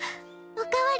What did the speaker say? おかわり！